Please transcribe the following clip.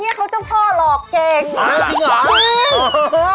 เอาแล้วจริงหรือเออ